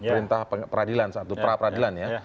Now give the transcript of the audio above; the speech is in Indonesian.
perintah peradilan satu pra peradilan ya